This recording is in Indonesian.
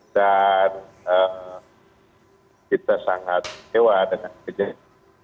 dan kita sangat kecewa dengan kerja ini